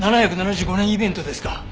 ７７５年イベントですか？